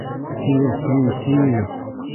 Си-си-си-и!..